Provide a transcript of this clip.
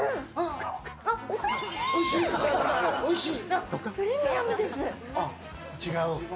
おいしい？